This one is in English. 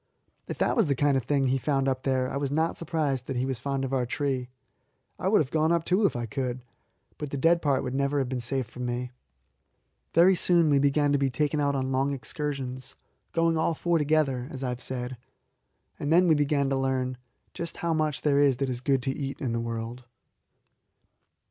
If that was the kind of thing that he found up there, I was not surprised that he was fond of our tree. I would have gone up too, if I could; but the dead part would never have been safe for me. Very soon we began to be taken out on long excursions, going all four together, as I have said, and then we began to learn how much that is nice to eat there is in the world.